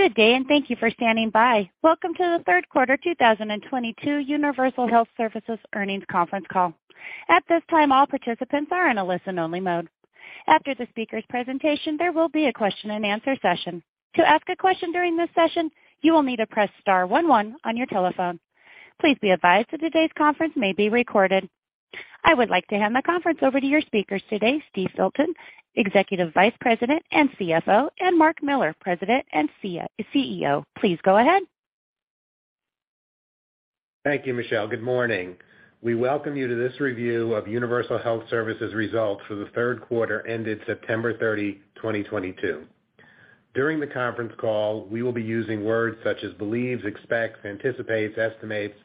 Good day, and thank you for standing by. Welcome to the Q3 2022 Universal Health Services Earnings Conference call. At this time, all participants are in a listen-only mode. After the speaker's presentation, there will be a question-and-answer session. To ask a question during this session, you will need to press star one one on your telephone. Please be advised that today's conference may be recorded. I would like to hand the conference over to your speakers today, Steve Filton, Executive Vice President and CFO, and Marc Miller, President and CEO. Please go ahead. Thank you, Michelle. Good morning. We welcome you to this review of Universal Health Services results for the Q3 ended September 30, 2022. During the conference call, we will be using words such as believes, expects, anticipates, estimates,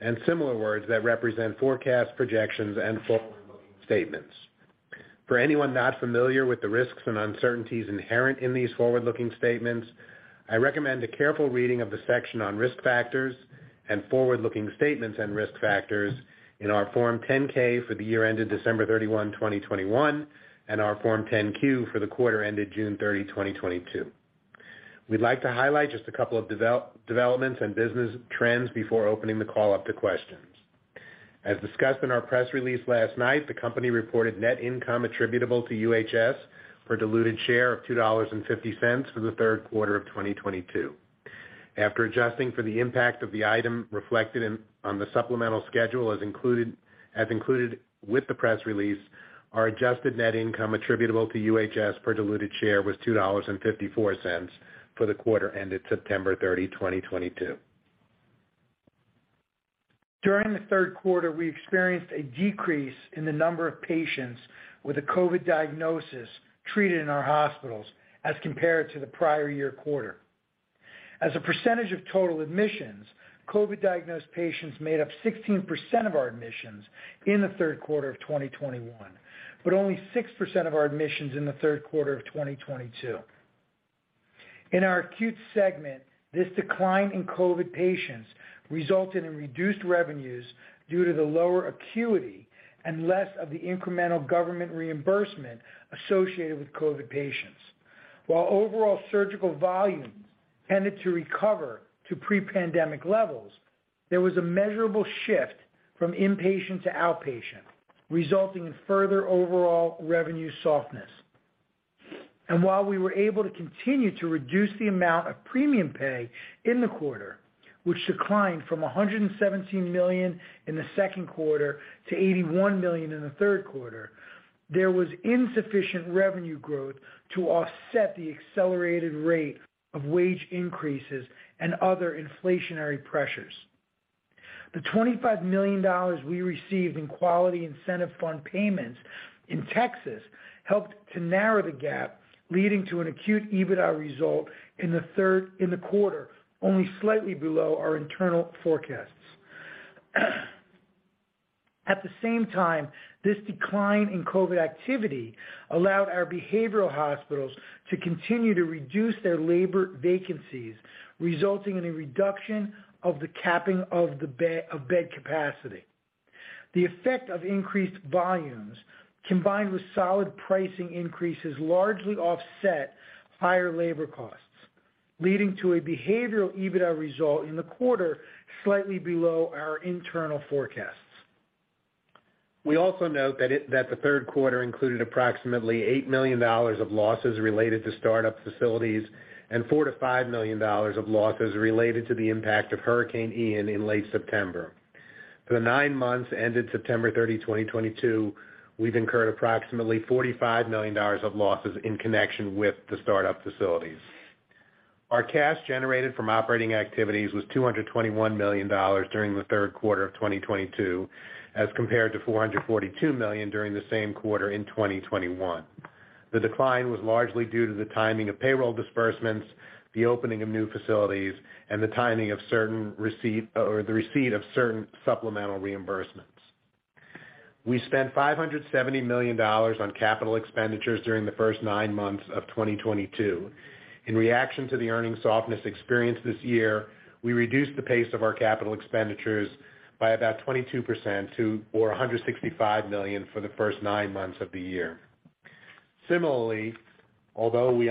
and similar words that represent forecast projections and forward-looking statements. For anyone not familiar with the risks and uncertainties inherent in these forward-looking statements, I recommend a careful reading of the section on risk factors and forward-looking statements and risk factors in our Form 10-K for the year ended December 31, 2021, and our Form 10-Q for the quarter ended June 30, 2022. We'd like to highlight just a couple of developments and business trends before opening the call up to questions. As discussed in our press release last night, the company reported net income attributable to UHS per diluted share of $2.50 for the Q3 of 2022. After adjusting for the impact of the item reflected in on the supplemental schedule as included with the press release, our adjusted net income attributable to UHS per diluted share was $2.54 for the quarter ended September 30, 2022. During the Q3, we experienced a decrease in the number of patients with a COVID diagnosis treated in our hospitals as compared to the prior year quarter. As a percentage of total admissions, COVID-diagnosed patients made up 16% of our admissions in the Q3 of 2021, but only 6% of our admissions in the Q3 of 2022. In our acute segment, this decline in COVID patients resulted in reduced revenues due to the lower acuity and less of the incremental government reimbursement associated with COVID patients. While overall surgical volumes tended to recover to pre-pandemic levels, there was a measurable shift from inpatient to outpatient, resulting in further overall revenue softness. While we were able to continue to reduce the amount of premium pay in the quarter, which declined from $117 m`illion in the Q2 to $81 million in the Q3, there was insufficient revenue growth to offset the accelerated rate of wage increases and other inflationary pressures. The $25 million we received in quality incentive fund payments in Texas helped to narrow the gap, leading to an acute EBITDA result in the Q3, only slightly below our internal forecasts. At the same time, this decline in COVID activity allowed our behavioral hospitals to continue to reduce their labor vacancies, resulting in a reduction of the capping of the bed capacity. The effect of increased volumes, combined with solid pricing increases, largely offset higher labor costs, leading to a better EBITDA result in the quarter slightly below our internal forecasts. We also note that the Q3 included approximately $8 million of losses related to start-up facilities and $4-$5 million of losses related to the impact of Hurricane Ian in late September. For the nine months ended September 30, 2022, we've incurred approximately $45 million of losses in connection with the start-up facilities. Our cash generated from operating activities was $221 million during the Q3 of 2022, as compared to $442 million during the same quarter in 2021. The decline was largely due to the timing of payroll disbursements, the opening of new facilities, and the timing of or the receipt of certain supplemental reimbursements. We spent $570 million on capital expenditures during the first nine months of 2022. In reaction to the earnings softness experienced this year, we reduced the pace of our capital expenditures by about 22% to $165 million for the first nine months of the year. Although we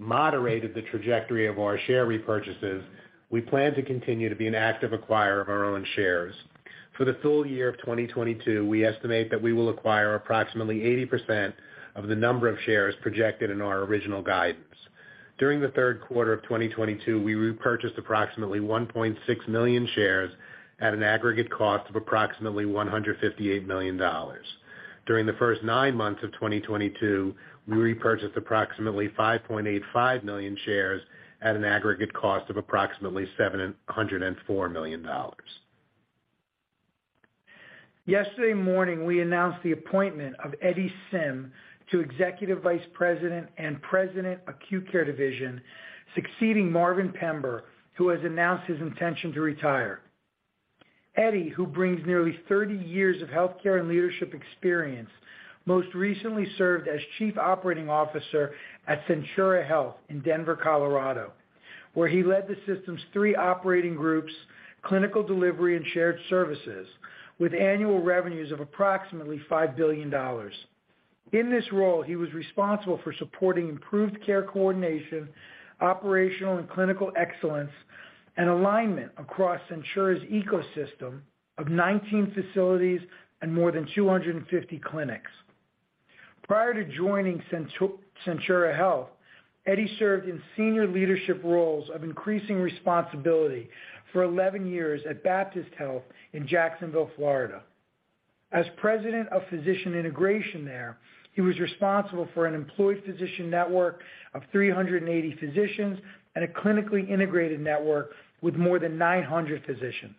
moderated the trajectory of our share repurchases, we plan to continue to be an active acquirer of our own shares. For the full year of 2022, we estimate that we will acquire approximately 80% of the number of shares projected in our original guidance. During the Q3 of 2022, we repurchased approximately 1.6 million shares at an aggregate cost of approximately $158 million. During the first nine months of 2022, we repurchased approximately 5.85 million shares at an aggregate cost of approximately $704 million. Yesterday morning, we announced the appointment of Edward 'Eddie' Sim to Executive Vice President and President, Acute Care Division, succeeding Marvin Pember, who has announced his intention to retire. Eddie, who brings nearly 30 years of healthcare and leadership experience, most recently served as Chief Operating Officer at Centura Health in Denver, Colorado. Where he led the system's three operating groups, clinical delivery and shared services, with annual revenues of approximately $5 billion. In this role, he was responsible for supporting improved care coordination, operational and clinical excellence, and alignment across Centura Health's ecosystem of 19 facilities and more than 250 clinics. Prior to joining Centura Health, Eddie served in senior leadership roles of increasing responsibility for 11 years at Baptist Health in Jacksonville, Florida. As President of Physician Integration there, he was responsible for an employed physician network of 380 physicians and a clinically integrated network with more than 900 physicians.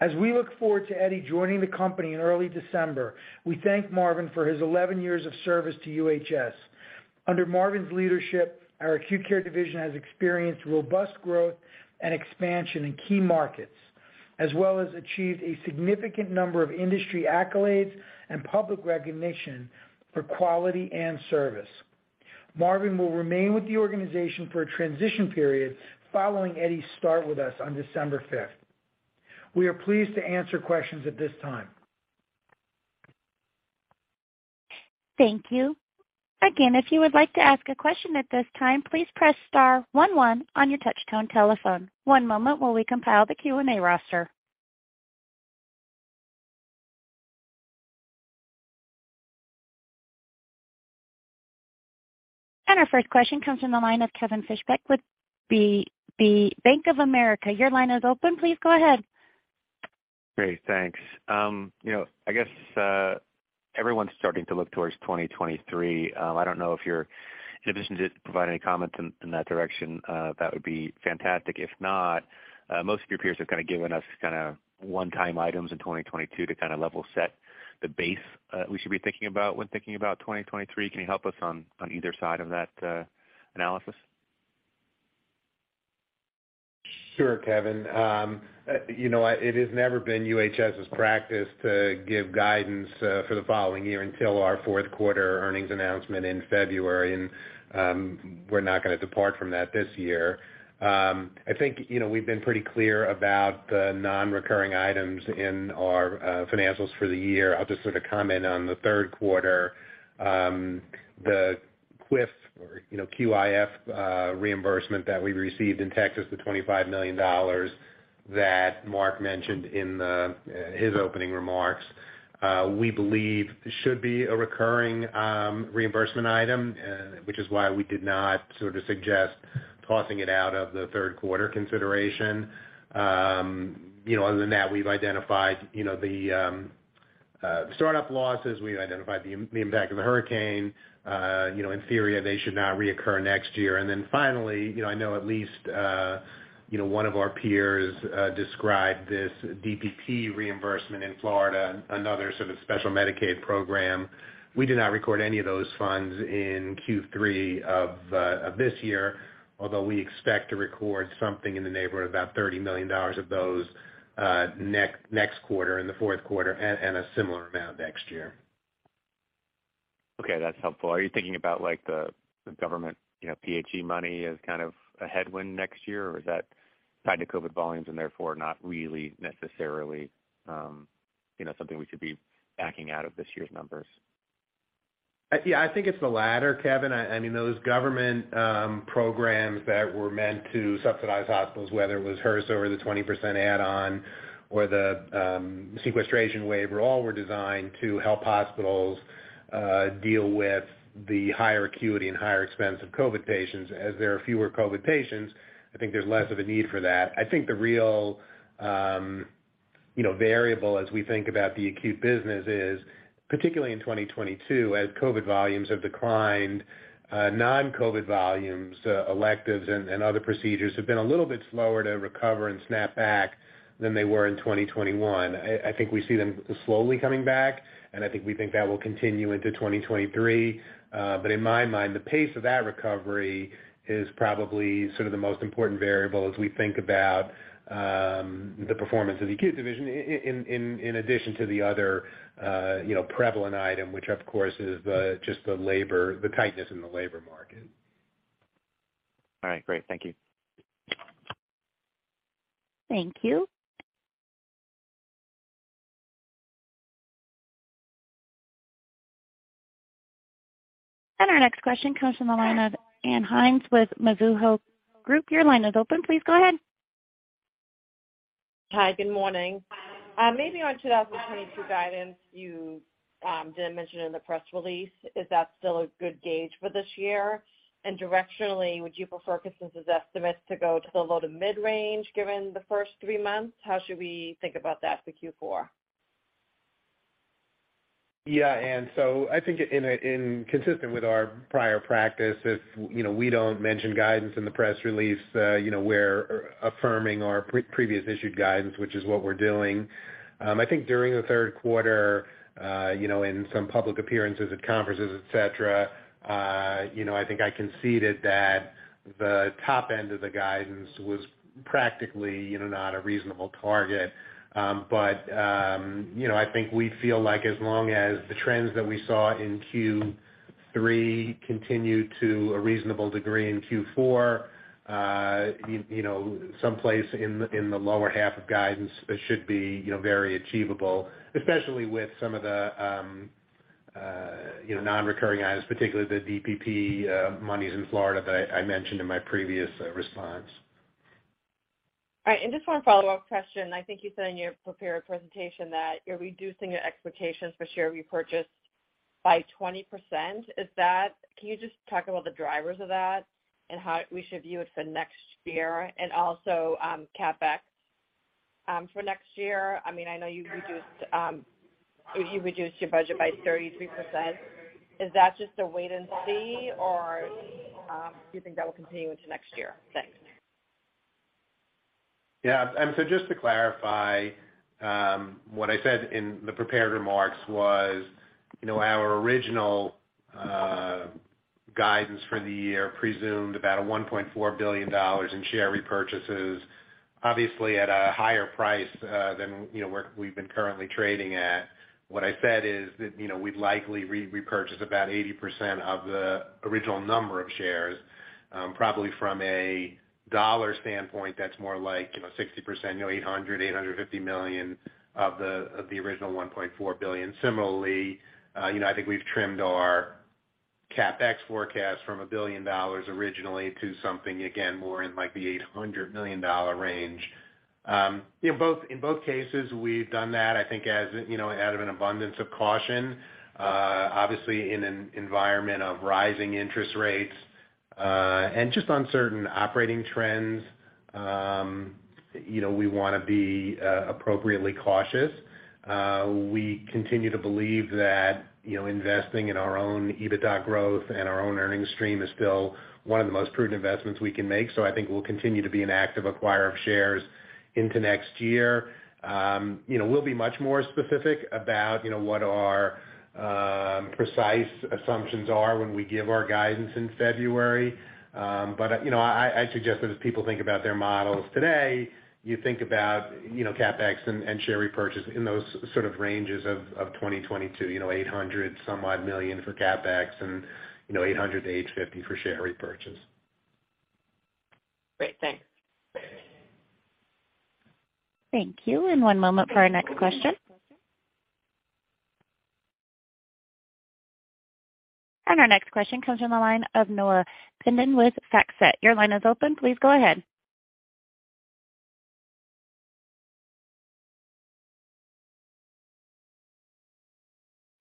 As we look forward to Eddie joining the company in early December, we thank Marvin for his 11 years of service to UHS. Under Marvin's leadership, our Acute Care Division has experienced robust growth and expansion in key markets, as well as achieved a significant number of industry accolades and public recognition for quality and service. Marvin will remain with the organization for a transition period following Eddie's start with us on December fifth. We are pleased to answer questions at this time. Thank you. Again, if you would like to ask a question at this time, please press star one one on your touchtone telephone. One moment while we compile the Q&A roster. Our first question comes from the line of Kevin Fischbeck with the Bank of America. Your line is open. Please go ahead. Great, thanks. Everyone's starting to look towards 2023. I don't know if you're in a position to provide any comments in that direction. That would be fantastic. If not, most of your peers have kinda given us kinda one-time items in 2022 to kinda level set the base we should be thinking about when thinking about 2023. Can you help us on either side of that analysis? Sure, Kevin. What, it has never been UHS's practice to give guidance for the following year until our Q4 earnings announcement in February. We're not gonna depart from that this year. We've been pretty clear about the non-recurring items in our financials for the year. I'll just sort of comment on the Q3. The QIPP reimbursement that we received in Texas, the $25 million that Marc mentioned in his opening remarks, we believe should be a recurring reimbursement item, which is why we did not sort of suggest tossing it out of the Q3 consideration. You know, other than that, we've identified the start-up losses. We've identified the impact of the hurricane. In theory, they should not reoccur next year. Then finally I know at least, you know, one of our peers described this DPP reimbursement in Florida, another sort of special Medicaid program. We do not record any of those funds in Q3 of this year, although we expect to record something in the neighborhood of about $30 million of those next quarter, in the Q4, and a similar amount next year. Okay, that's helpful. Are you thinking about, like, the government, you know, PHE money as kind of a headwind next year, or is that tied to COVID volumes and therefore not really necessarily something we should be backing out of this year's numbers? Yeah, It's the latter, Kevin. Those government programs that were meant to subsidize hospitals, whether it was HRSA or the 20% add-on or the sequestration waiver, all were designed to help hospitals deal with the higher acuity and higher expense of COVID patients. As there are fewer COVID patients, I think there's less of a need for that. I think the real, you know, variable as we think about the acute business is, particularly in 2022, as COVID volumes have declined, non-COVID volumes, electives and other procedures have been a little bit slower to recover and snap back than they were in 2021. I think we see them slowly coming back, and I think we think that will continue into 2023. In my mind, the pace of that recovery is probably sort of the most important variable as we think about the performance of the acute division in addition to the other prevalent item, which of course is just the labor tightness in the labor market. All right, great. Thank you. Thank you. Our next question comes from the line of Ann Hynes with Mizuho Securities. Your line is open. Please go ahead. Hi, good morning. Maybe on 2022 guidance, you didn't mention in the press release. Is that still a good gauge for this year? Directionally, would you prefer consensus estimates to go to the low to mid-range given the first three months? How should we think about that for Q4? Consistent with our prior practice we don't mention guidance in the press release we're affirming our previous issued guidance, which is what we're doing. During the Q3 in some public appearances at conferences, et cetera I think I conceded that the top end of the guidance was practically not a reasonable target. We feel like as long as the trends that we saw in Q3 continue to a reasonable degree in Q4, someplace in the lower half of guidance should be very achievable, especially with some of the non-recurring items, particularly the DPP monies in Florida that I mentioned in my previous response. All right. Just one follow-up question. You said in your prepared presentation that you're reducing your expectations for share repurchase by 20%. Is that? Can you just talk about the drivers of that and how we should view it for next year and also, CapEx, for next year? You reduced your budget by 33%. Is that just a wait and see or, do you think that will continue into next year? Thanks. Yeah. So just to clarify, what I said in the prepared remarks was our original guidance for the year presumed about $1.4 billion in share repurchases, obviously at a higher price than where we've been currently trading at. What I said is that, you know, we'd likely repurchase about 80% of the original number of shares, probably from a dollar standpoint that's more like, you know, 60%, you know, $800-$850 million of the original $1.4 billion. Similarly I think we've trimmed our CapEx forecast from $1 billion originally to something, again, more in like the $800 million range. In both cases, we've done that out of an abundance of caution, obviously in an environment of rising interest rates, and just uncertain operating trends we wanna be, appropriately cautious. We continue to believe that investing in our own EBITDA growth and our own earnings stream is still one of the most prudent investments we can make. We'll continue to be an active acquirer of shares into next year. We'll be much more specific about what our, precise assumptions are when we give our guidance in February. I suggest that as people think about their models today, you think about CapEx and share repurchase in those sort of ranges of 2022, you know, $800 some million for CapEx and $800-$850 million for share repurchase. Great. Thanks. Thank you. One moment for our next question. Our next question comes from the line of Pito Chickering with Deutsche Bank. Your line is open. Please go ahead.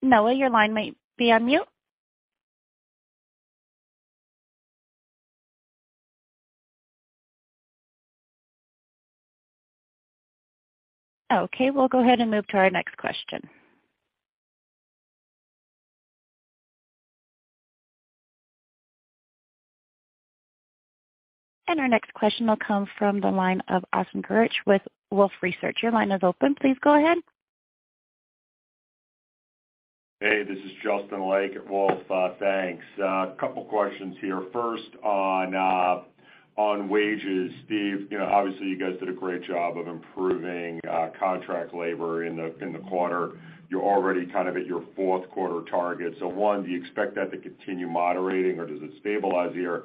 Michelle, your line might be on mute. Okay, we'll go ahead and move to our next question. Our next question will come from the line of Justin Lake with Wolfe Research. Your line is open. Please go ahead. Hey, this is Justin Lake at Wolfe. Thanks. A couple questions here. First on wages. Steve, obviously, you guys did a great job of improving contract labor in the quarter. You're already kind of at your Q4 target. One, do you expect that to continue moderating or does it stabilize the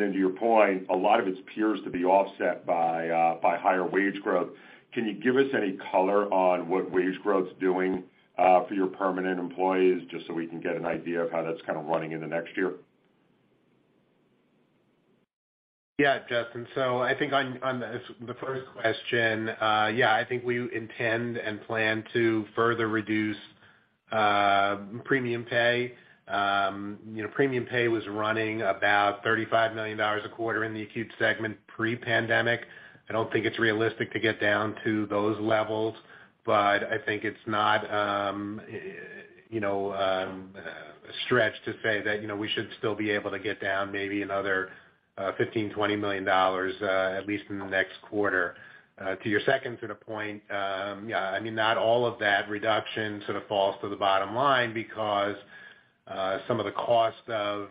year? To your point, a lot of it appears to be offset by higher wage growth. Can you give us any color on what wage growth's doing for your permanent employees, just so we can get an idea of how that's kind of running into next year? Yeah, Justin. On the first question, yeah, we intend and plan to further reduce premium pay, premium pay was running about $35 million a quarter in the acute segment pre-pandemic. I don't think it's realistic to get down to those levels, but I think it's not a stretch to say that we should still be able to get down maybe another $15-$20 million at least in the next quarter. To your second sort of point, yeah, I mean, not all of that reduction sort of falls to the bottom line because some of the cost of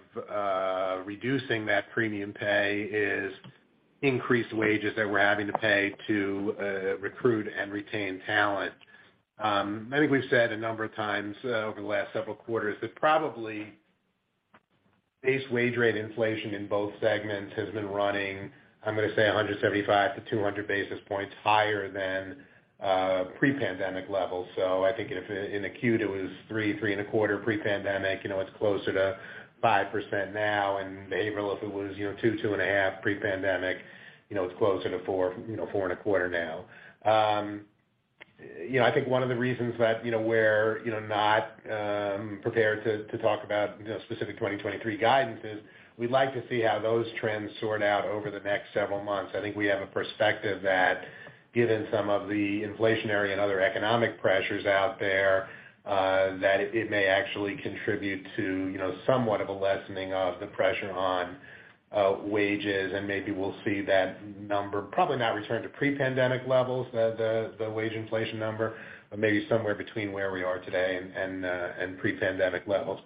reducing that premium pay is increased wages that we're having to pay to recruit and retain talent. IWe've said a number of times over the last several quarters that probably base wage rate inflation in both segments has been running, I'm gonna say 175-200 basis points higher than pre-pandemic levels. I think if in acute it was 3-3.25% pre-pandemic it's closer to 5% now. In behavioral if it was 2-2.5% pre-pandemic, you know, it's closer to 4-4.25% now. I think one of the reasons that, you know, we're, you know, not prepared to talk about, you know, specific 2023 guidance is we'd like to see how those trends sort out over the next several months. We have a perspective that given some of the inflationary and other economic pressures out there, that it may actually contribute to, you know, somewhat of a lessening of the pressure on wages, and maybe we'll see that number probably not return to pre-pandemic levels, the wage inflation number, but maybe somewhere between where we are today and pre-pandemic levels.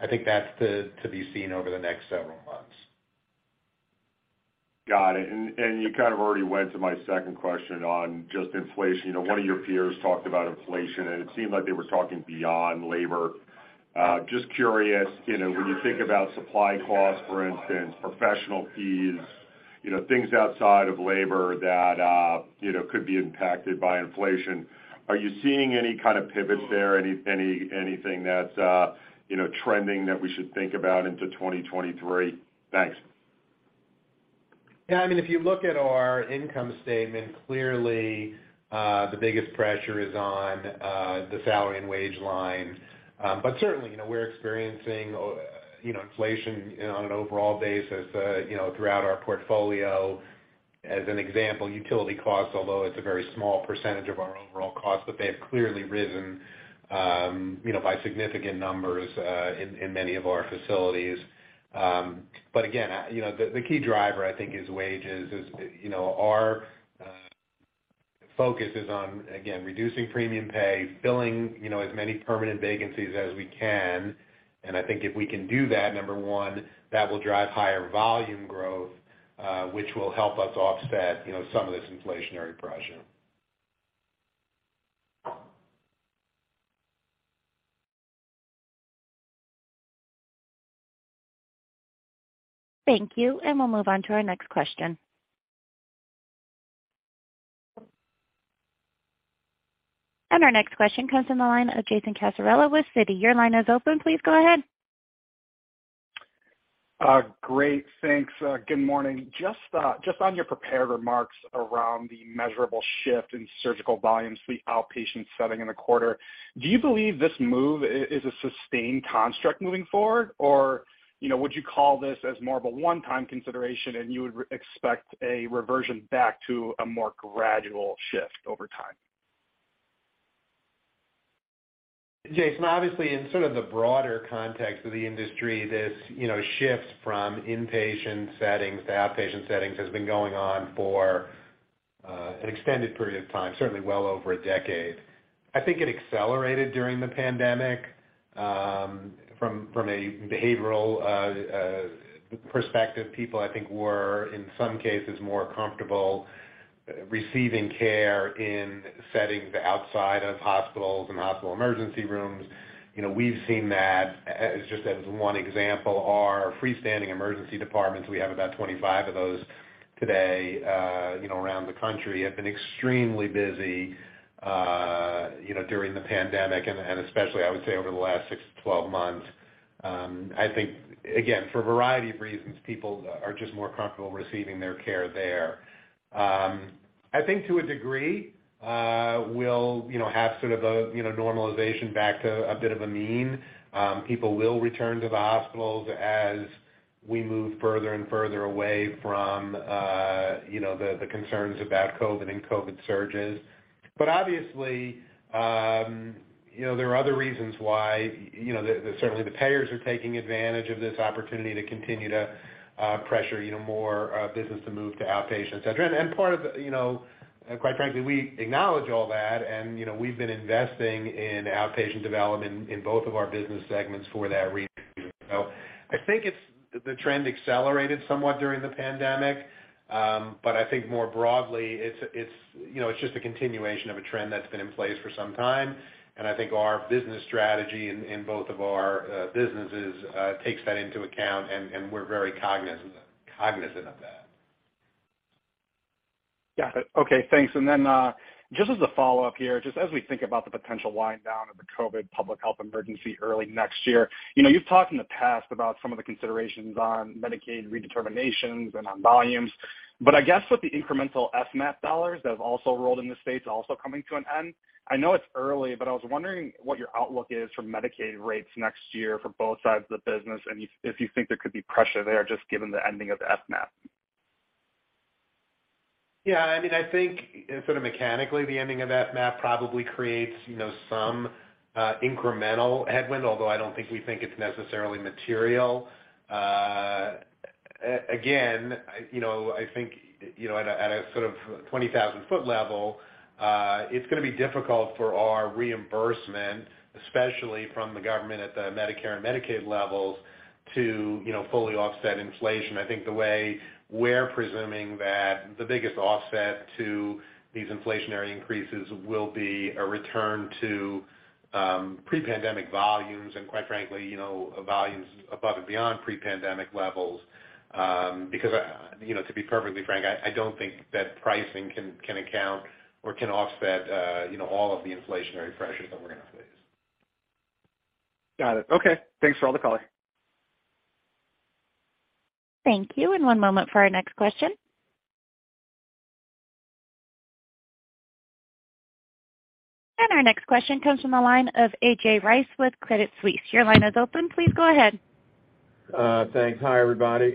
I think that's to be seen over the next several months. Got it. You kind of already went to my second question on just inflation. One of your peers talked about inflation, and it seemed like they were talking beyond labor. Just curious, when you think about supply costs, for instance, professional fees. Things outside of labor that could be impacted by inflation. Are you seeing any kind of pivots there? Anything that's trending that we should think about into 2023? Thanks. Yeah if you look at our income statement, clearly, the biggest pressure is on the salary and wage line. Certainly we're experiencing, you know, inflation on an overall basis throughout our portfolio. As an example, utility costs, although it's a very small percentage of our overall costs, but they have clearly risen by significant numbers in many of our facilities. Again, the key driver is wages. Our focus is on reducing premium pay, filling, you know, as many permanent vacancies as we can. I think if we can do that, number one, that will drive higher volume growth, which will help us offset some of this inflationary pressure. Thank you. We'll move on to our next question. Our next question comes from the line of Jason Cassorla with Citi. Your line is open. Please go ahead. Great. Thanks. Good morning. Just on your prepared remarks around the measurable shift in surgical volumes to the outpatient setting in the quarter, do you believe this move is a sustained construct moving forward? Or, you know, would you call this as more of a one-time consideration, and you would expect a reversion back to a more gradual shift over time? Jason, obviously in sort of the broader context of the industry, this shift from inpatient settings to outpatient settings has been going on for an extended period of time, certainly well over a decade. I think it accelerated during the pandemic, from a behavioral perspective. People were in some cases more comfortable receiving care in settings outside of hospitals and hospital emergency rooms. We've seen that, as just as one example, our freestanding emergency departments, we have about 25 of those today around the country, have been extremely busy, you know, during the pandemic and especially, I would say over the last six to 12 months. I think, again, for a variety of reasons, people are just more comfortable receiving their care there. To a degree, we'll, you know, have sort of a, you know, normalization back to a bit of a mean. People will return to the hospitals as we move further and further away from, you know, the concerns about COVID and COVID surges. Obviously there are other reasons why the certainly the payers are taking advantage of this opportunity to continue to, pressure more business to move to outpatient, et cetera. Quite frankly, we acknowledge all that and, you know, we've been investing in outpatient development in both of our business segments for that reason. I think it's the trend accelerated somewhat during the pandemic. More broadly, it's just a continuation of a trend that's been in place for some time. I think our business strategy in both of our businesses takes that into account, and we're very cognizant of that. Yeah. Okay, thanks. Just as a follow-up here, just as we think about the potential wind down of the COVID public health emergency early next year. You've talked in the past about some of the considerations on Medicaid redeterminations and on volumes. I guess with the incremental FMAP dollars that have also rolled into the states also coming to an end, I know it's early, but I was wondering what your outlook is for Medicaid rates next year for both sides of the business, and if you think there could be pressure there just given the ending of FMAP. Yeah, I think sort of mechanically, the ending of FMAP probably creates some, incremental headwind, although I don't think we think it's necessarily material. Again, I think at a sort of 20,000 foot level, it's gonna be difficult for our reimbursement, especially from the government at the Medicare and Medicaid levels, to fully offset inflation. I think the way we're presuming that the biggest offset to these inflationary increases will be a return to pre-pandemic volumes and quite frankly, you know, volumes above and beyond pre-pandemic levels. Because, you know, to be perfectly frank, I don't think that pricing can account or can offset, you know, all of the inflationary pressures that we're gonna face. Got it. Okay. Thanks for all the color. Thank you. One moment for our next question. Our next question comes from the line of A.J. Rice with Credit Suisse. Your line is open. Please go ahead. Thanks. Hi, everybody.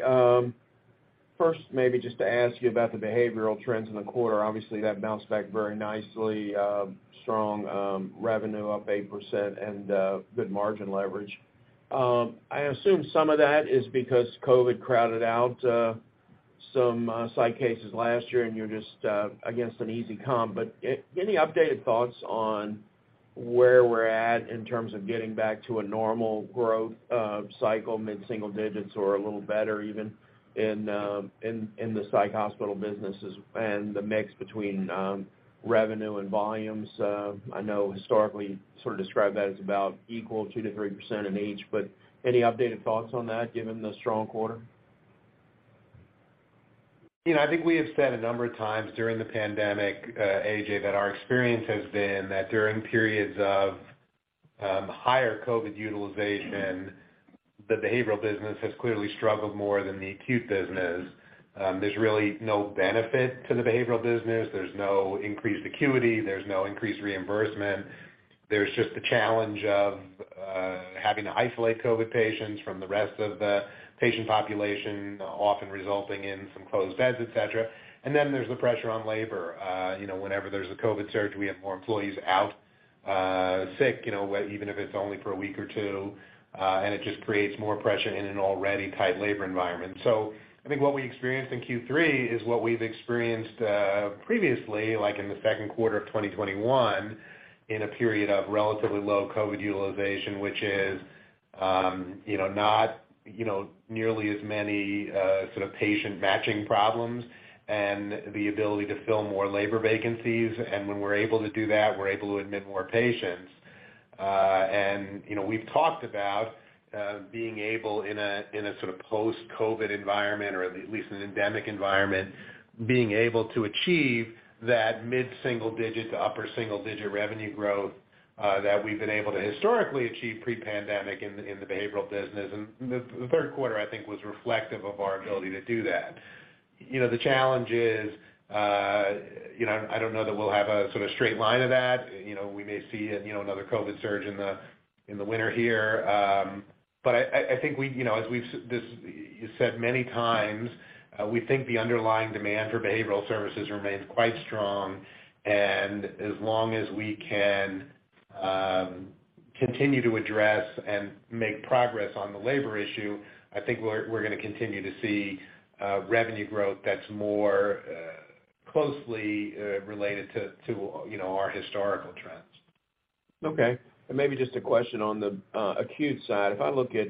First, maybe just to ask you about the behavioral trends in the quarter. Obviously, that bounced back very nicely. Strong revenue up 8% and good margin leverage. I assume some of that is because COVID crowded out some psych cases last year, and you're just against an easy comp. Any updated thoughts on where we're at in terms of getting back to a normal growth cycle, mid-single digits or a little better even in the psych hospital businesses and the mix between revenue and volumes? I know hi storically, you sort of described that as about equal 2%-3% in each, but any updated thoughts on that given the strong quarter? I think we have said a number of times during the pandemic, A.J., that our experience has been that during periods of higher COVID utilization, the behavioral business has clearly struggled more than the acute business. There's really no benefit to the behavioral business. There's no increased acuity, there's no increased reimbursement. There's just the challenge of having to isolate COVID patients from the rest of the patient population, often resulting in some closed beds, et cetera. There's the pressure on labor. You know, whenever there's a COVID surge, we have more employees out sick even if it's only for a week or two, and it just creates more pressure in an already tight labor environment. What we experienced in Q3 is what we've experienced, previously, like in the Q2 of 2021, in a period of relatively low COVID utilization, which is, you know, not, you know, nearly as many sort of patient matching problems and the ability to fill more labor vacancies. When we're able to do that, we're able to admit more patients. You know, we've talked about being able in a sort of post-COVID environment or at least an endemic environment, being able to achieve that mid-single-digit to upper single-digit revenue growth that we've been able to historically achieve pre-pandemic in the behavioral business. The Q3 was reflective of our ability to do that. The challenge is I don't know that we'll have a sort of straight line of that. We may see another COVID surge in the winter here. But I think as we've said many times, we think the underlying demand for behavioral services remains quite strong. As long as we can continue to address and make progress on the labor issue, I think we're gonna continue to see revenue growth that's more closely related to our historical trends. Okay. Maybe just a question on the acute side. If I look at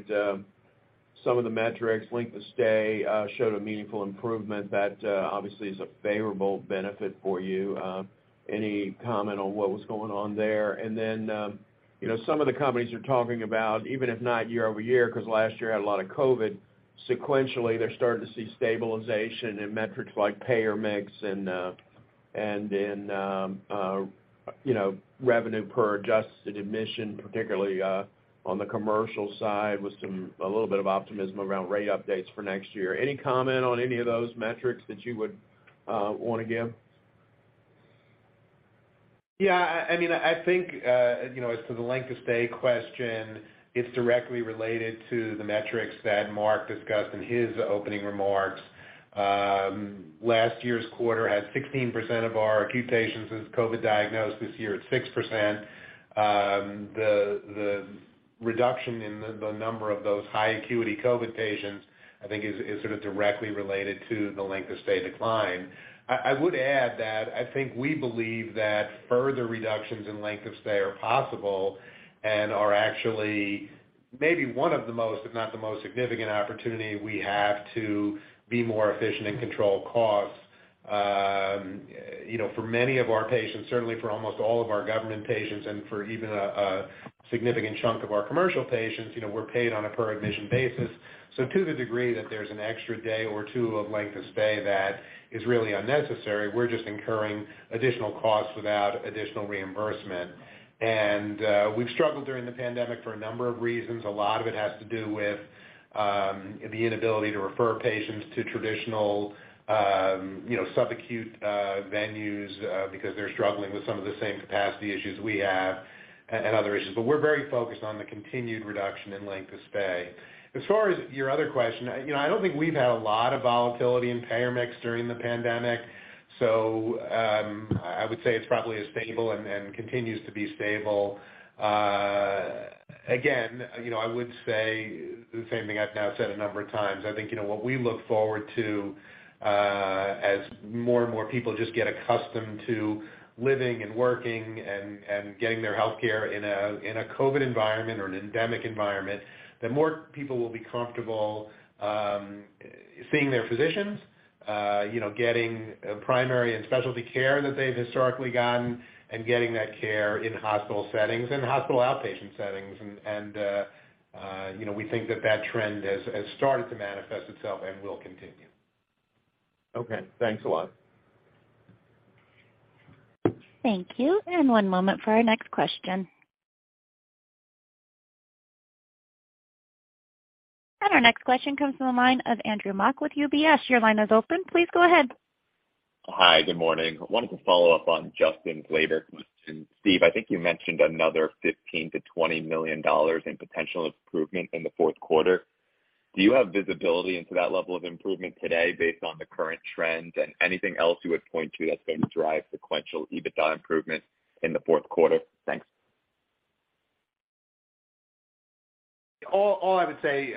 some of the metrics, length of stay showed a meaningful improvement, that obviously is a favorable benefit for you. Any comment on what was going on there? Some of the companies are talking about, even if not year-over-year, because last year had a lot of COVID, sequentially, they're starting to see stabilization in metrics like payer mix and in you know revenue per adjusted admission, particularly on the commercial side, with a little bit of optimism around rate updates for next year. Any comment on any of those metrics that you would wanna give? Yeah, As to the length of stay question, it's directly related to the metrics that Marc discussed in his opening remarks. Last year's quarter had 16% of our acute patients as COVID diagnosed. This year, it's 6%. The reduction in the number of those high acuity COVID patients, I think, is sort of directly related to the length of stay decline. I would add that we believe that further reductions in length of stay are possible and are actually maybe one of the most, if not the most significant opportunity we have to be more efficient and control costs. For many of our patients, certainly for almost all of our government patients and for even a significant chunk of our commercial patients we're paid on a per admission basis. To the degree that there's an extra day or two of length of stay that is really unnecessary, we're just incurring additional costs without additional reimbursement. We've struggled during the pandemic for a number of reasons. A lot of it has to do with the inability to refer patients to traditional, you know, subacute venues because they're struggling with some of the same capacity issues we have and other issues. We're very focused on the continued reduction in length of stay. As far as your other question, I don't think we've had a lot of volatility in payer mix during the pandemic, so, I would say it's probably as stable and continues to be stable. Again, I would say the same thing I've now said a number of times. What we look forward to, as more and more people just get accustomed to living and working and getting their healthcare in a COVID environment or an endemic environment, that more people will be comfortable seeing their physicians getting primary and specialty care that they've historically gotten and getting that care in hospital settings and hospital outpatient settings. We think that trend has started to manifest itself and will continue. Okay. Thanks a lot. Thank you. One moment for our next question. Our next question comes from the line of Andrew Mok with UBS. Your line is open. Please go ahead. Hi. Good morning. I wanted to follow up on Justin's labor question. Steve, you mentioned another $15 million-$20 million in potential improvement in the Q4. Do you have visibility into that level of improvement today based on the current trends and anything else you would point to that's going to drive sequential EBITDA improvement in the Q4? Thanks. I would say,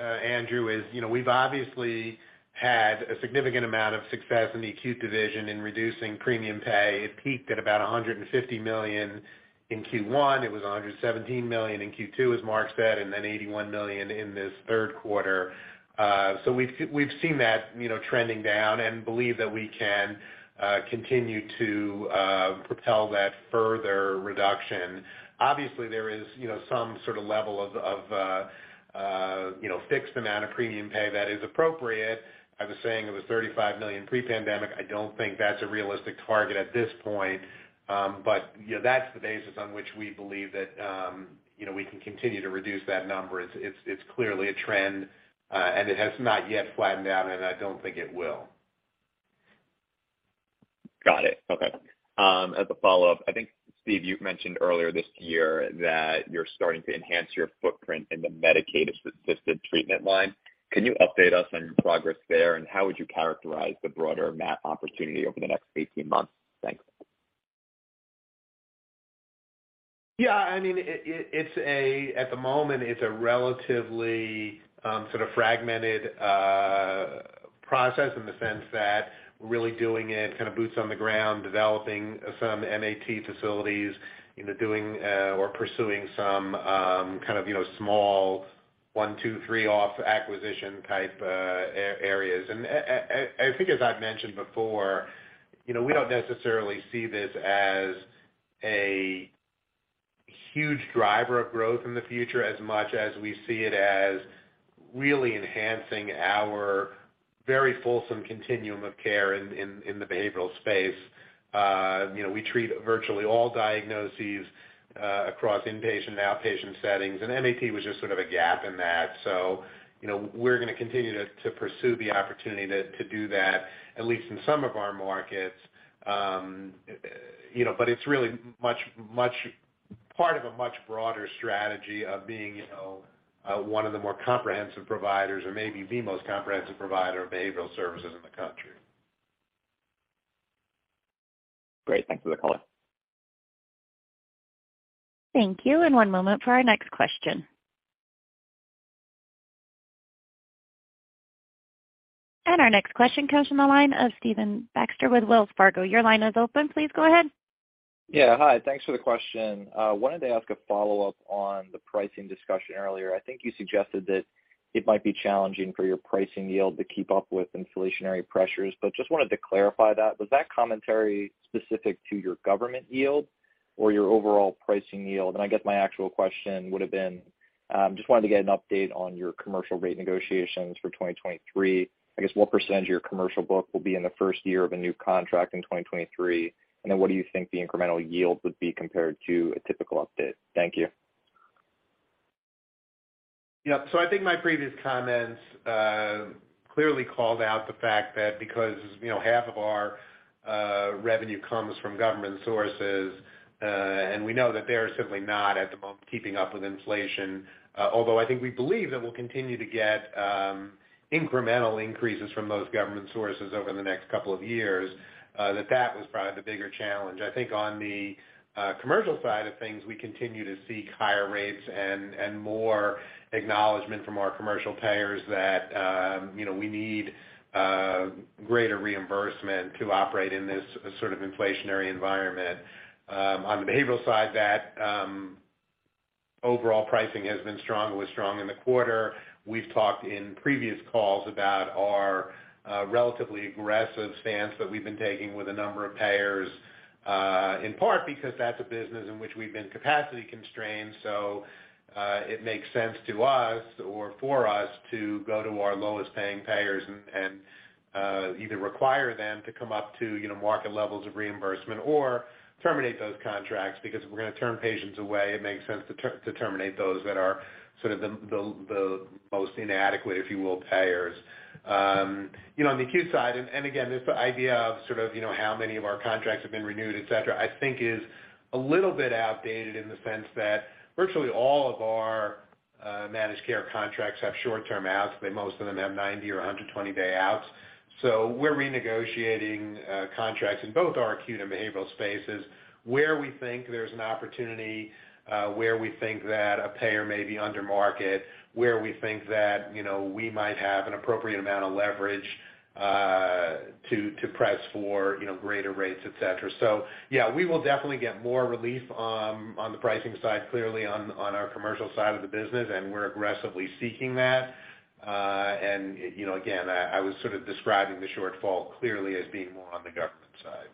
Andrew, is we've obviously had a significant amount of success in the acute division in reducing premium pay. It peaked at about $150 million in Q1. It was $117 million in Q2, as Marc said, and then $81 million in this Q3. We've seen that, you know, trending down and believe that we can continue to propel that further reduction. Obviously, there is some sort of level of fixed amount of premium pay that is appropriate. I was saying it was $35 million pre-pandemic. I don't think that's a realistic target at this point. That's the basis on which we believe that we can continue to reduce that number. It's clearly a trend, and it has not yet flattened out, and I don't think it will. Got it. Okay. As a follow-up, I think, Steve, you've mentioned earlier this year that you're starting to enhance your footprint in the Medication-Assisted Treatment line. Can you update us on progress there, and how would you characterize the broader MAT opportunity over the next 18 months? Thanks. Yeah, I mean, it's a-- At the moment, it's a relatively, sort of fragmented process in the sense that we're really doing it kind of boots on the ground, developing some MAT facilities into doing, or pursuing some, kind of small 1, 2, 3 off acquisition type areas. As I've mentioned before, you know, we don't necessarily see this as a huge driver of growth in the future, as much as we see it as really enhancing our very fulsome continuum of care in the behavioral space. We treat virtually all diagnoses across inpatient and outpatient settings, and MAT was just sort of a gap in that. We're gonna continue to pursue the opportunity to do that, at least in some of our markets. It's really much part of a much broader strategy of being one of the more comprehensive providers or maybe the most comprehensive provider of behavioral services in the country. Great. Thanks for the color. Thank you. One moment for our next question. Our next question comes from the line of Stephen Baxter with Wells Fargo. Your line is open. Please go ahead. Yeah. Hi. Thanks for the question. Wanted to ask a follow-up on the pricing discussion earlier. I think you suggested that it might be challenging for your pricing yield to keep up with inflationary pressures, but just wanted to clarify that. Was that commentary specific to your government yield or your overall pricing yield? I guess my actual question would have been, just wanted to get an update on your commercial rate negotiations for 2023. I guess, what percentage of your commercial book will be in the first year of a new contract in 2023? And then what do you think the incremental yield would be compared to a typical update? Thank you. Yeah. My previous comments clearly called out the fact that because, you know, half of our revenue comes from government sources, and we know that they are simply not at the moment keeping up with inflation, although I think we believe that we'll continue to get incremental increases from those government sources over the next couple of years, that was probably the bigger challenge. I think on the commercial side of things, we continue to seek higher rates and more acknowledgment from our commercial payers that, you know, we need greater reimbursement to operate in this sort of inflationary environment. On the behavioral side of that, overall pricing has been strong. It was strong in the quarter. We've talked in previous calls about our relatively aggressive stance that we've been taking with a number of payers, in part because that's a business in which we've been capacity constrained. It makes sense to us or for us to go to our lowest paying payers and either require them to come up to, you know, market levels of reimbursement or terminate those contracts because if we're gonna turn patients away, it makes sense to terminate those that are sort of the most inadequate, if you will, payers. On the acute side, and again, this idea of sort of how many of our contracts have been renewed, et cetera, I think is a little bit outdated in the sense that virtually all of our managed care contracts have short-term outs, but most of them have 90 or 120 day outs. We're renegotiating contracts in both our acute and behavioral spaces where we think there's an opportunity, where we think that a payer may be under market, where we think that, you know, we might have an appropriate amount of leverage to press for greater rates, et cetera. Yeah, we will definitely get more relief on the pricing side, clearly on our commercial side of the business, and we're aggressively seeking that. Again, I was sort of describing the shortfall clearly as being more on the government side.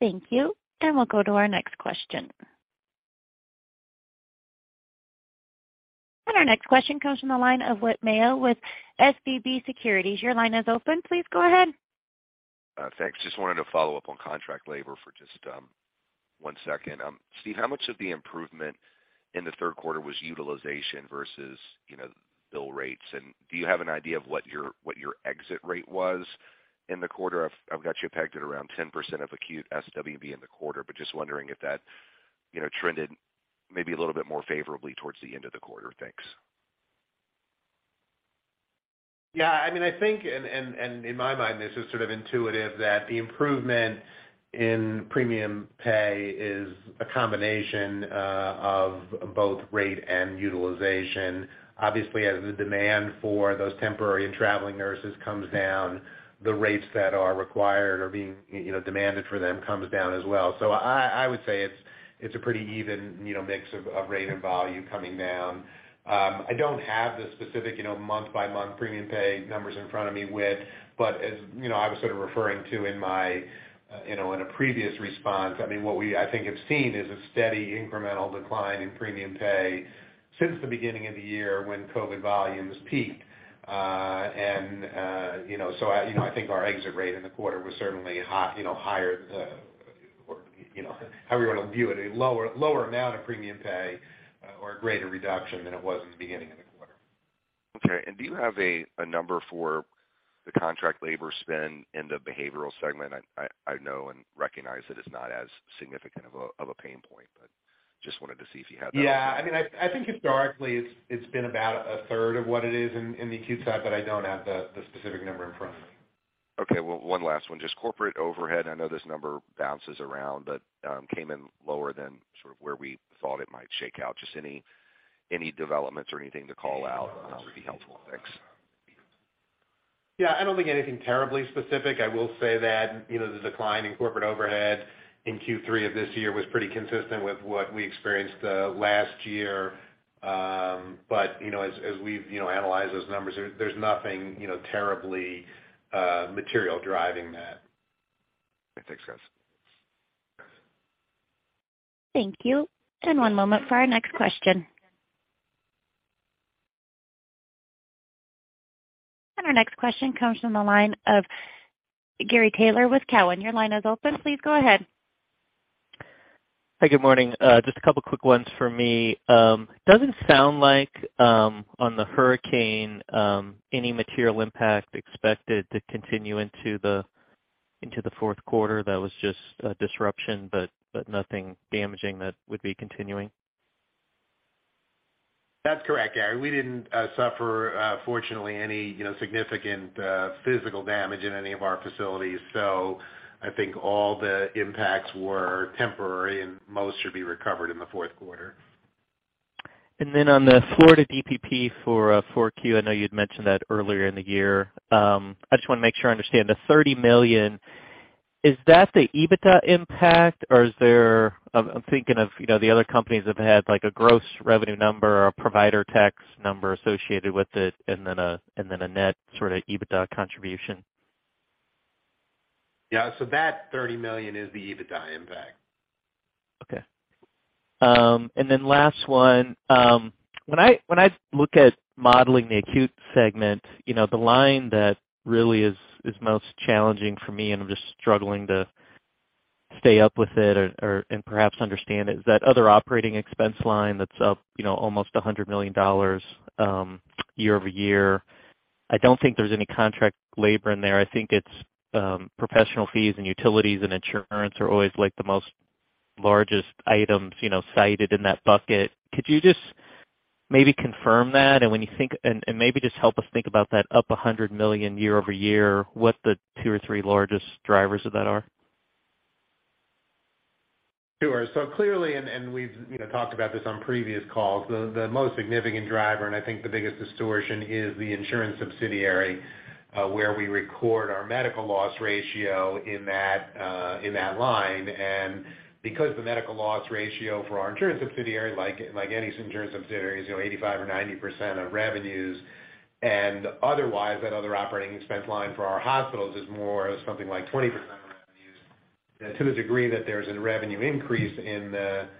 Thank you. We'll go to our next question. Our next question comes from the line of Whit Mayo with SVB Securities. Your line is open. Please go ahead. Thanks. Just wanted to follow up on contract labor for just one second. Steve, how much of the improvement in the Q3 was utilization versus, you know, bill rates? And do you have an idea of what your exit rate was in the quarter? I've got you pegged at around 10% of acute SWB in the quarter, but just wondering if that, you know, trended maybe a little bit more favorably towards the end of the quarter. Thanks. Yeah, In my mind, this is sort of intuitive that the improvement in premium pay is a combination of both rate and utilization. Obviously, as the demand for those temporary and traveling nurses comes down, the rates that are required or being, you know, demanded for them comes down as well. I would say it's a pretty even, you know, mix of rate and volume coming down. I don't have the specific month by month premium pay numbers in front of me, Whit. But as you know, I was sort of referring to in my, you know, in a previous response, I mean, what we, I think, have seen is a steady incremental decline in premium pay since the beginning of the year when COVID volumes peaked. Our exit rate in the quarter was certainly higher, however you want to view it, a lower amount of premium pay or a greater reduction than it was in the beginning of the quarter. Okay. Do you have a number for the contract labor spend in the behavioral segment? I know and recognize that it's not as significant of a pain point, but just wanted to see if you had that. Yeah. Historically it's been about a third of what it is in the acute side, but I don't have the specific number in front of me. Okay. Well, one last one, just corporate overhead. I know this number bounces around, but came in lower than sort of where we thought it might shake out. Just any developments or anything to call out, would be helpful. Thanks. Yeah, I don't think anything terribly specific. I will say that the decline in corporate overhead in Q3 of this year was pretty consistent with what we experienced last year. As we've, you know, analyzed those numbers, there's nothing, you know, terribly material driving that. Thanks, guys. Thank you. One moment for our next question. Our next question comes from the line of Gary Taylor with Cowen. Your line is open. Please go ahead. Hi, good morning. Just a couple quick ones for me. Doesn't sound like, on the hurricane, any material impact expected to continue into the Q4. That was just a disruption but nothing damaging that would be continuing. That's correct, Gary. We didn't suffer fortunately any, you know, significant physical damage in any of our facilities. I think all the impacts were temporary, and most should be recovered in the Q4. On the Florida DPP for 4Q, I know you'd mentioned that earlier in the year. I just wanna make sure I understand. The $30 million, is that the EBITDA impact, or is there? I'm thinking of, you know, the other companies have had, like, a gross revenue number or a provider tax number associated with it, and then a net sort of EBITDA contribution.1 Yeah. That $30 million is the EBITDA impact. Okay. Last one. When I look at modeling the acute segment, you know, the line that really is most challenging for me, and I'm just struggling to stay up with it and perhaps understand it, is that other operating expense line that's almost $100 million year-over-year. I don't think there's any contract labor in there. I think it's professional fees and utilities and insurance are always like the most largest items cited in that bucket. Could you just maybe confirm that and when you think and maybe just help us think about that up $100 million year-over-year, what the two or three largest drivers of that are? Sure. Clearly, we've you know, talked about this on previous calls, the most significant driver, and I think the biggest distortion is the insurance subsidiary, where we record our Medical Loss Ratio in that line. Because the Medical Loss Ratio for our insurance subsidiary, like any insurance subsidiary is, you know, 85% or 90% of revenues, and otherwise that other operating expense line for our hospitals is more something like 20% of revenues. To the degree that there's a revenue increase in the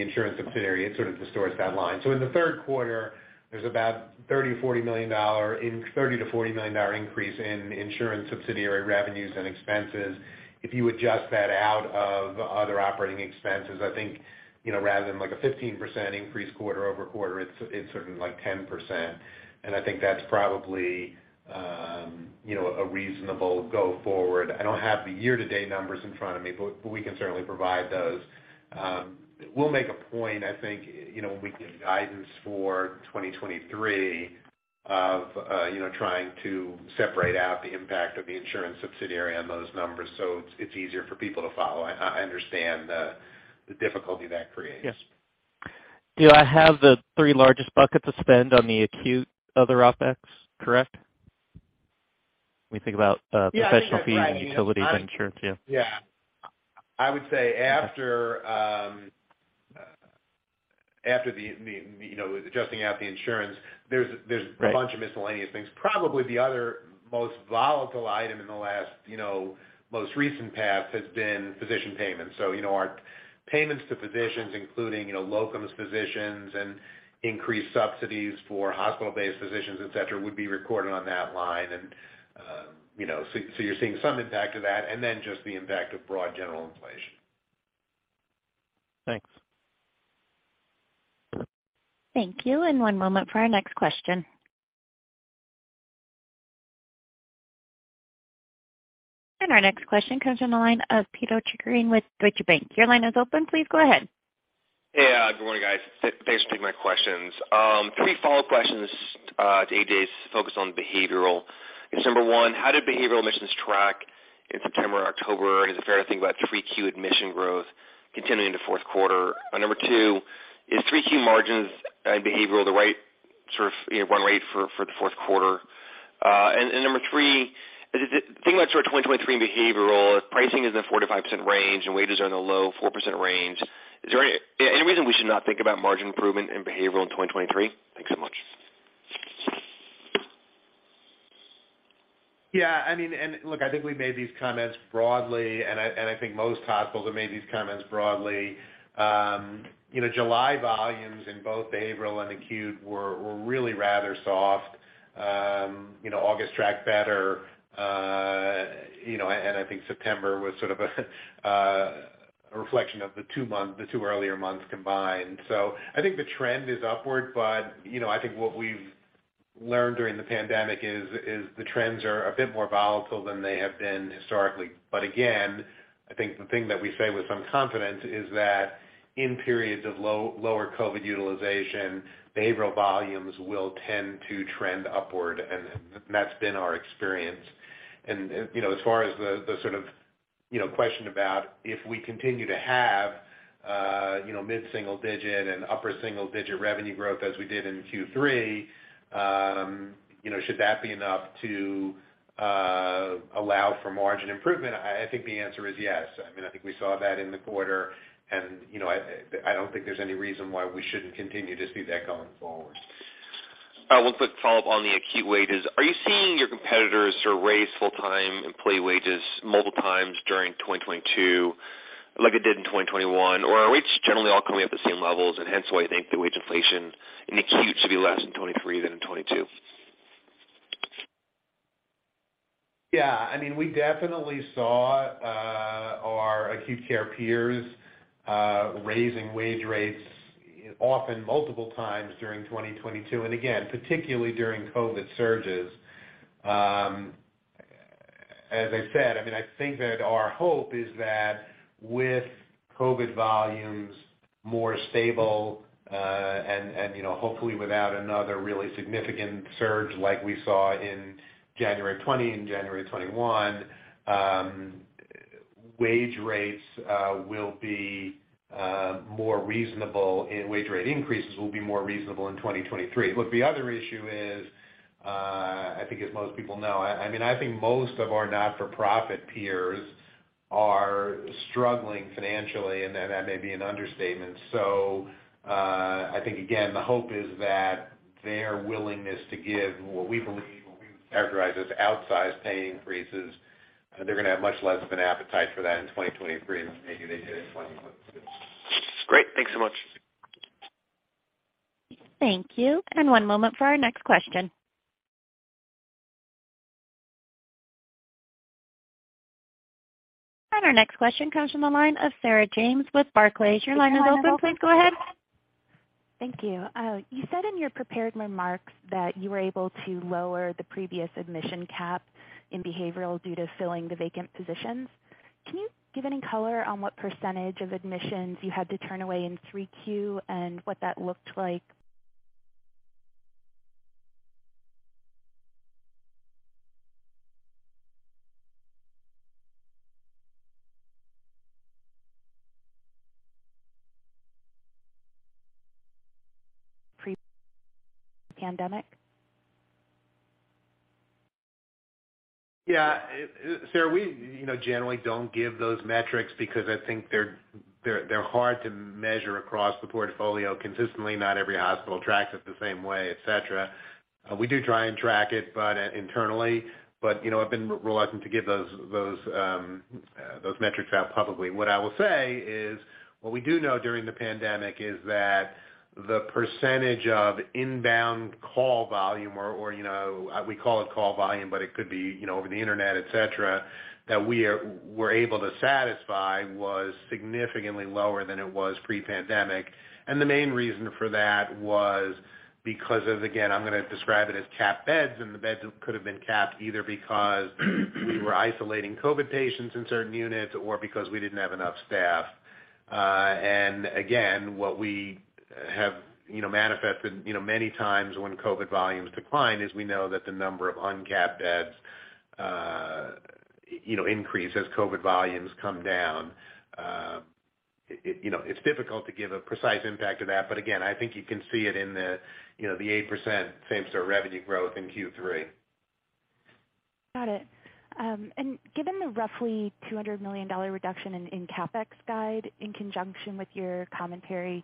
insurance subsidiary, it sort of distorts that line. In the Q3, there's about $30 million-$40 million increase in insurance subsidiary revenues and expenses. If you adjust that out of other operating expenses, rather than like a 15% increase quarter-over-quarter, it's something like 10%. I think that's probably a reasonable go forward. I don't have the year-to-date numbers in front of me, but we can certainly provide those. We'll make a point, I think, you know, when we give guidance for 2023 of, you know, trying to separate out the impact of the insurance subsidiary on those numbers so it's easier for people to follow. I understand the difficulty that creates. Yes. Do I have the three largest buckets of spend on the acute other OpEx, correct? When we think about professional fees and utilities and insurance, yeah. Yeah. I would say after you know, adjusting out the insurance, there's a bunch of miscellaneous things. Probably the other most volatile item in the last most recent path has been physician payments. You know, our payments to physicians, including you know, locums physicians and increased subsidies for hospital-based physicians, et cetera, would be recorded on that line. You're seeing some impact of that and then just the impact of broad general inflation. Thanks. Thank you. One moment for our next question. Our next question comes from the line of Michelle Pito Chickering with Deutsche Bank. Your line is open. Please go ahead. Yeah. Good morning, guys. Thanks for taking my questions. Three follow-up questions to AJ's focus on behavioral. Number one, how did behavioral admissions track in September or October? Is it fair to think about 3Q admission growth continuing into Q4? Number two, is 3Q margins and behavioral the right sort of, you know, run rate for the Q4? Number three, is it thinking about sort of 2023 behavioral, if pricing is in the 4%-5% range and wages are in the low 4% range, is there any reason we should not think about margin improvement in behavioral in 2023? Yeah, Look, I think we made these comments broadly, and I think most hospitals have made these comments broadly. July volumes in both behavioral and acute were really rather soft. August tracked better, and I think September was sort of a reflection of the two earlier months combined. The trend is upward. What we've learned during the pandemic is the trends are a bit more volatile than they have been historically. Again, the thing that we say with some confidence is that in periods of lower COVID utilization, behavioral volumes will tend to trend upward, and that's been our experience. As far as the sort of question about if we continue to have mid-single digit and upper single digit revenue growth as we did in Q3 should that be enough to allow for margin improvement? I think the answer is yes. I mean, I think we saw that in the quarter, and, you know, I don't think there's any reason why we shouldn't continue to see that going forward. One quick follow-up on the acute wages. Are you seeing your competitors sort of raise full-time employee wages multiple times during 2022 like it did in 2021? Or are wages generally all coming up to same levels and hence why you think the wage inflation in acute should be less in 2023 than in 2022? Yeah, we definitely saw our acute care peers raising wage rates often multiple times during 2022, and again, particularly during COVID surges. As I said, our hope is that with COVID volumes more stable, and you know, hopefully without another really significant surge like we saw in January 2020 and January 2021, wage rates will be more reasonable and wage rate increases will be more reasonable in 2023. Look, the other issue is, I think as most people know, I mean, I think most of our not-for-profit peers are struggling financially, and that may be an understatement. I think again, the hope is that their willingness to give what we believe, what we would characterize as outsized pay increases, they're gonna have much less of an appetite for that in 2023 than maybe they did in 2022. Great. Thanks so much. Thank you, and one moment for our next question. Our next question comes from the line of Sarah James with Barclays. Your line is open. Please go ahead. Thank you. You said in your prepared remarks that you were able to lower the previous admission cap in behavioral due to filling the vacant positions. Can you give any color on what percentage of admissions you had to turn away in 3Q and what that looked like pre-pandemic? Yeah. Sarah, we generally don't give those metrics because I think they're hard to measure across the portfolio consistently. Not every hospital tracks it the same way, et cetera. We do try and track it, but internally. You know, I've been reluctant to give those metrics out publicly. What I will say is, what we do know during the pandemic is that the percentage of inbound call volume or you know, we call it call volume, but it could be, you know, over the Internet, et cetera, that we're able to satisfy was significantly lower than it was pre-pandemic. The main reason for that was because of, again, I'm gonna describe it as capped beds, and the beds could have been capped either because we were isolating COVID patients in certain units or because we didn't have enough staff. What we have, you know, manifested, you know, many times when COVID volumes decline is we know that the number of uncapped beds, you know, increase as COVID volumes come down. It, you know, it's difficult to give a precise impact of that, but again, I think you can see it in the, you know, the 8% same store revenue growth in Q3. Got it. Given the roughly $200 million reduction in CapEx guide in conjunction with your commentary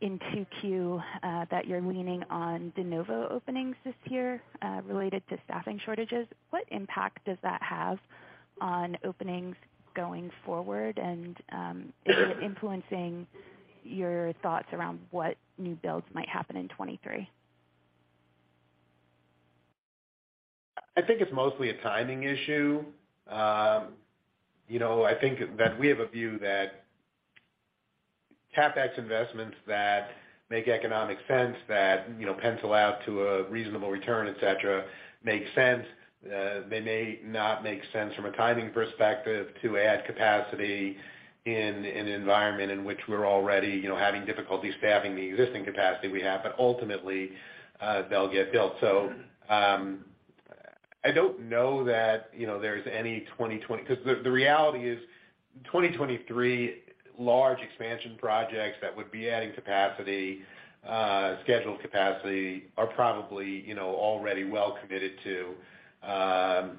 in Q2, that you're leaning on de novo openings this year, related to staffing shortages, what impact does that have on openings going forward? Is it influencing your thoughts around what new builds might happen in 2023? I think it's mostly a timing issue. I think that we have a view that CapEx investments that make economic sense that pencil out to a reasonable return, et cetera, make sense. They may not make sense from a timing perspective to add capacity in an environment in which we're already, you know, having difficulty staffing the existing capacity we have. Ultimately, they'll get built. I don't know that, you know, there's any, because the reality is 2023 large expansion projects that would be adding capacity, scheduled capacity are probably, you know, already well committed to.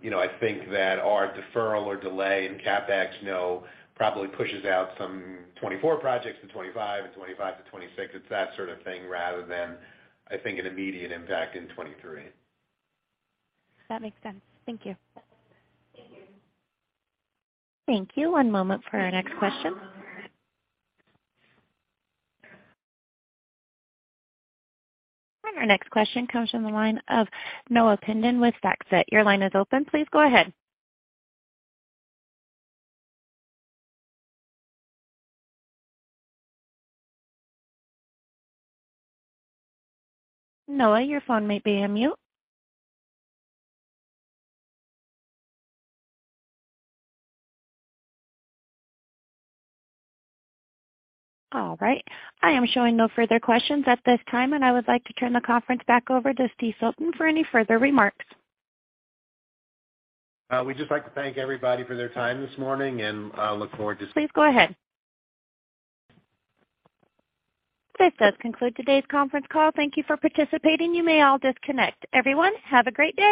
You know, I think that our deferral or delay in CapEx, you know, probably pushes out some 2024 projects to 2025 and 2025 to 2026. It's that sort of thing rather than, I think, an immediate impact in 2023. That makes sense. Thank you. Thank you. One moment for our next question. Our next question comes from the line of Noah Kaye with Stifel. Your line is open. Please go ahead. Noah, your phone may be on mute. All right. I am showing no further questions at this time, and I would like to turn the conference back over to Steve Filton for any further remarks. We'd just like to thank everybody for their time this morning, and I look forward to. Please go ahead. This does conclude today's conference call. Thank you for participating. You may all disconnect. Everyone, have a great day.